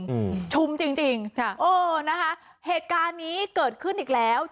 อืมชุมจริงจริงค่ะโอ้นะคะเหตุการณ์นี้เกิดขึ้นอีกแล้ว